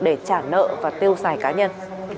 để trả nợ và tiêu xài cá nhân